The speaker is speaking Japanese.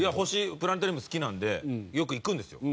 プラネタリウム好きなんでよく行くんですよ。